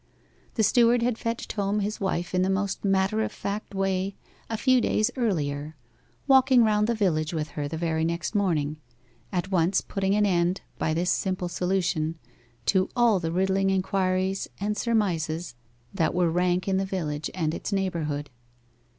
The steward had fetched home his wife in the most matter of fact way a few days earlier, walking round the village with her the very next morning at once putting an end, by this simple solution, to all the riddling inquiries and surmises that were rank in the village and its neighbourhood.